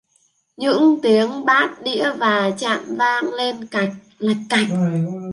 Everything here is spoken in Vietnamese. Những tiếng bát đĩa và trạm vang lên lạch cạch